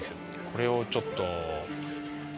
これをちょっと。